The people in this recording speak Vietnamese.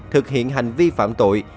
thực hiện hành vi phạm tội